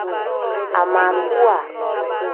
Amaasuwa.